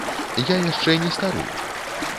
Я яшчэ не стары.